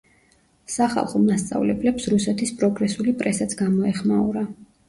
სახალხო მასწავლებლებს რუსეთის პროგრესული პრესაც გამოეხმაურა.